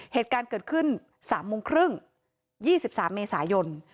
เหตุการณ์เกิดขึ้น๓โมงครึ่ง๒๓เมษายน